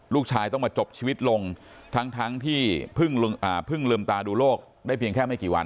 ลูกชายต้องมาจบชีวิตลงทั้งที่เพิ่งลืมตาดูโลกได้เพียงแค่ไม่กี่วัน